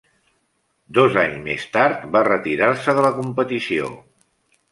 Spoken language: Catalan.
Dos anys més tard, va retirar-se de la competició.